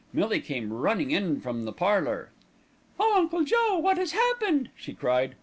Millie came running in from the parlour. "Oh! Uncle Joe, what has happened?" she cried.